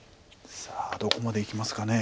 さあどこまでいきますかね。